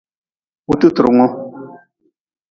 Hututrungu.